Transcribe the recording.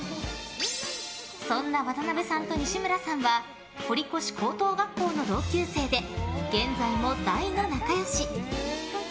そんな渡辺さんと西村さんは堀越高等学校の同級生で現在も大の仲良し。